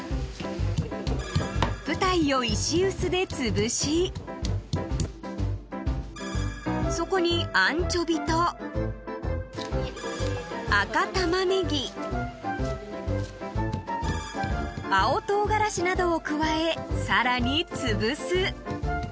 ［プタイを石臼でつぶしそこにアンチョビと赤タマネギ青唐辛子などを加えさらにつぶす］